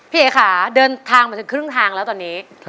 พี่เอกราชสุวรรณภูมิเดินทางมาถึงครึ่งทางแล้วตอนนี้